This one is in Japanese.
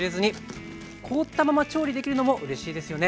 凍ったまま調理できるのもうれしいですよね。